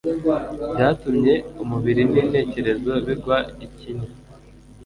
byatumye umubiri n'intekerezo bigwa ikinya